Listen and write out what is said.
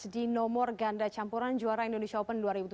di nomor ganda campuran juara indonesia open dua ribu tujuh belas